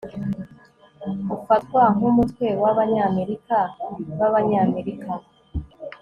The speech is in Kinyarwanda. ufatwa nkumutwe wAbanyamerika bAbanyamerika